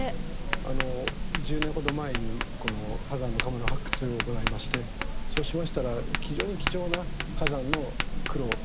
あの１０年ほど前にこの波山の窯の発掘を行いましてそうしましたら非常に貴重な波山の苦労